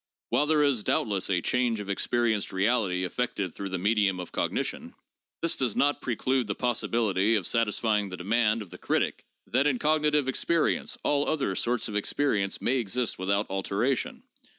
While there is doubtless 'a change of experienced reality effected through the medium of cognition,' this does not 660 THE JOURNAL OF PHILOSOPHY preclude the possibility of satisfying the demand of the critic that ' in cognitive experience all other sorts of experience may exist with out alteration.'